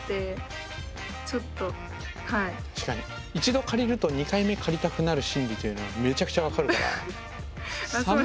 一度借りると２回目借りたくなる心理というのはめちゃくちゃ分かるから。